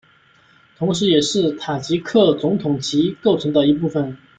同时也是塔吉克总统旗构成的一部分